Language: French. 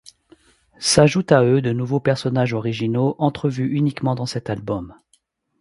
S’ajoutent à eux de nouveaux personnages originaux entrevus uniquement dans cet album.